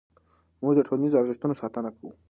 موږ د ټولنیزو ارزښتونو ساتنه کوو.